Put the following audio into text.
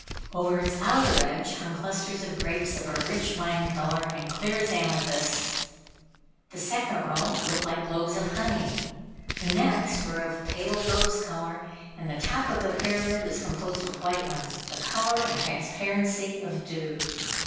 Over its outer edge hung clusters of grapes of a rich wine color, and clear as amethysts. The second row looked like globes of honey, the next were of a pale, rose color, and the top of the pyramid was composed of white ones, the color and transparency of dew.